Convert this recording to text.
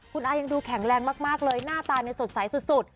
คุณอายังดูแข็งแรงมากเลยหน้าตาสดใสสุด